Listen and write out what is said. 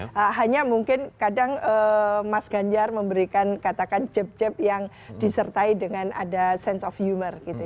tidak tidak hanya mungkin kadang mas ganjar memberikan katakan jeb jeb yang disertai dengan ada sense of humor gitu